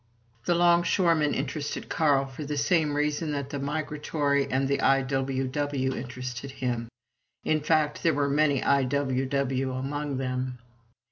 The longshoremen interested Carl for the same reason that the migratory and the I.W.W. interested him; in fact, there were many I.W.W. among them.